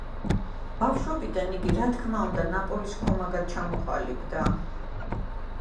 ბავშვობიდან იგი რა თქმა უნდა „ნაპოლის“ ქომაგად ჩამოყალიბდა.